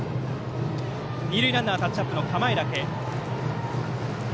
二塁ランナーはタッチアップの構えだけ。